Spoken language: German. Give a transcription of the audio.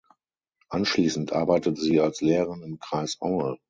Anschließend arbeitete sie als Lehrerin im Kreis Aue.